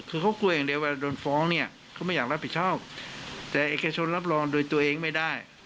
คือเขากลัวอย่างเดียวว่าโดนฟ้องเนี่ยเขาไม่อยากรับผิดชอบแต่เอกชนรับรองโดยตัวเองไม่ได้